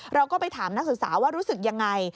เราก็ไปถามนักศึกษาว่ารู้สึกยังไง